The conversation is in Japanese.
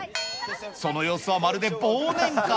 その様子はまるで忘年会。